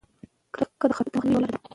کرکه د خطر د مخنیوي یوه لاره ده.